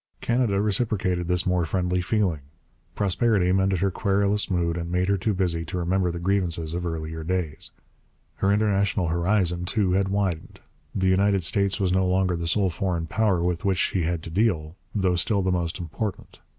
Canada reciprocated this more friendly feeling. Prosperity mended her querulous mood and made her too busy to remember the grievances of earlier days. Her international horizon, too, had widened; the United States was no longer the sole foreign power with which she had to deal, though still the most important.